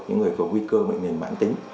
những người có nguy cơ bệnh nhân mãn tính